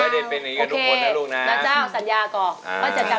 ไม่ได้เป็นอย่างนี้กันทุกคนนะลูกนะ